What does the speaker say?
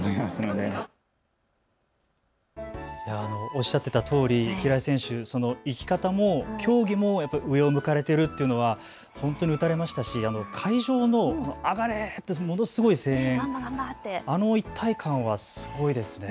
おっしゃっていたとおり、平井選手、その生き方も競技も上を向かれているというのが本当に打たれましたし会場の上がれというものすごい声援、あの一体感はすごいですね。